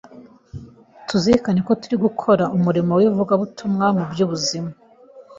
tuzirikane ko turimo gukora umurimo w’ivugabutumwa mu by’ubuzima,